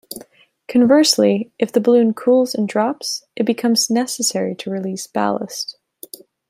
Conversely, if the balloon cools and drops, it becomes necessary to release ballast.